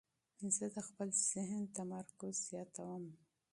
زه د خپل ذهن تمرکز زیاتوم.